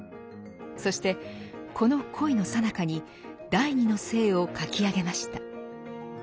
そしてこの恋のさなかに「第二の性」を書き上げました。